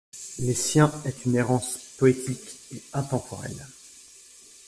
Les Siens est une errance poétique et intemporelle.